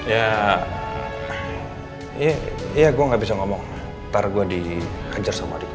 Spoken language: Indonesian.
ya ya gue nggak bisa ngomong ntar gue dihajar sama adik gue